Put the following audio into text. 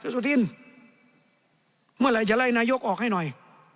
สุธินเมื่อไหร่จะไล่นายกออกให้หน่อย